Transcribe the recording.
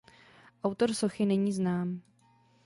Autor sochy není znám.